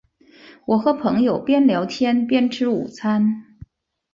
我和朋友边聊天边吃午餐